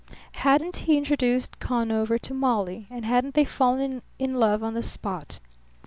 Hadn't he introduced Conover to Molly, and hadn't they fallen in love on the spot?